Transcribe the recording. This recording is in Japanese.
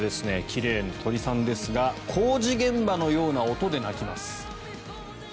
奇麗な鳥さんですが工事現場のような音で鳴きます。